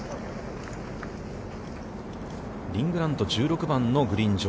リン・グラント、１６番のグリーン上。